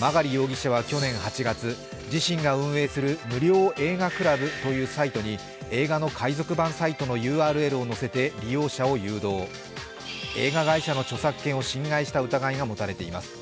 曲容疑者は去年８月、自身が運営する無料映画倶楽部というサイトに映画の海賊版サイトのＵＲＬを載せて映画会社の著作権を侵害した疑いが持たれています。